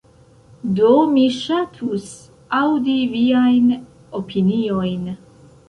Do mi ŝatus aŭdi viajn opiniojn.